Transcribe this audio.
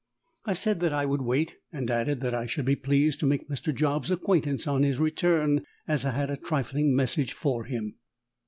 I said that I would wait, and added that I should be pleased to make Mr. Job's acquaintance on his return, as I had a trifling message for him.